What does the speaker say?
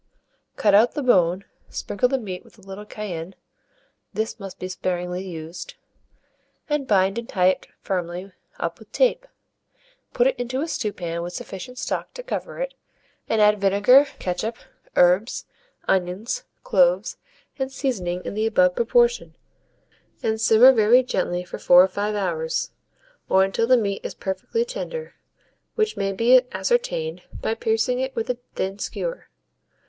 Cut out the bone, sprinkle the meat with a little cayenne (this must be sparingly used), and bind and tie it firmly up with tape; put it into a stewpan with sufficient stock to cover it, and add vinegar, ketchup, herbs, onions, cloves, and seasoning in the above proportion, and simmer very gently for 4 or 5 hours, or until the meat is perfectly tender, which may be ascertained by piercing it with a thin skewer.